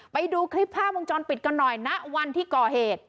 ไปดูคลิปภาพวงจรปิดกันหน่อยณวันที่ก่อเหตุ